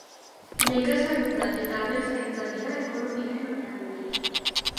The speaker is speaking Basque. Nekazaritza eta abeltzaintza dira ekonomiaren oinarriak.